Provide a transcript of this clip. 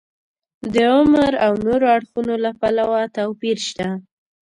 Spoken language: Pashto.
د عمر او نورو اړخونو له پلوه توپیر شته.